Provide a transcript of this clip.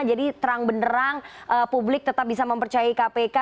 jadi terang benerang publik tetap bisa mempercayai kpk